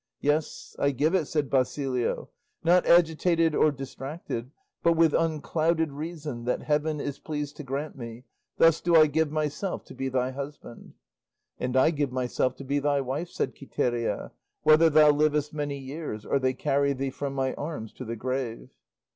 "Yes, I give it," said Basilio, "not agitated or distracted, but with unclouded reason that heaven is pleased to grant me, thus do I give myself to be thy husband." "And I give myself to be thy wife," said Quiteria, "whether thou livest many years, or they carry thee from my arms to the grave."